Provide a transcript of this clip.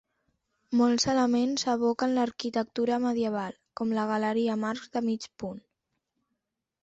Molts elements evoquen l'arquitectura medieval, com la galeria amb arcs de mig punt.